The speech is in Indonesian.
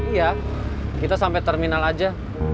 iya kita sampai terminal aja